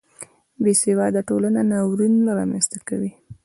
بې سواده ټولنه ناورین رامنځته کوي